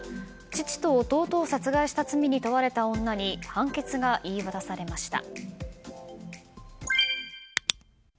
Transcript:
父と弟を殺害した罪に問われた女に判決が言い渡されました。